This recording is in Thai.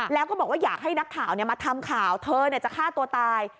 แล้วก็บอกว่าอยากให้นักข่าวมาทำข่าวเธอจะฆ่าตัวตาย